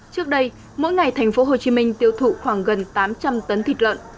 trước đây mỗi ngày thành phố hồ chí minh tiêu thụ khoảng gần tám trăm linh tấn thịt lợn